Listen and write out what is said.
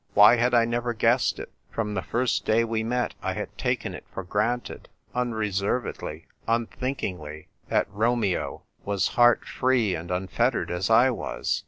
Why had I never guessed it ? From the first day we met I had taken it for granted — unre servedly, unthinkingly — that Romeo was " O, ROMEO, ROMEO !" 213 heart free and unfettered as I was.